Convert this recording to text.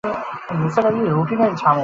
নিসার আলির রুটিনের ঝামেলা শুরু হয়ে গেছে।